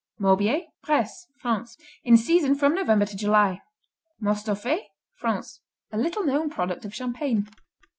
Morbier Bresse, France In season from November to July. Mostoffait France A little known product of Champagne.